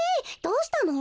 どうしたの？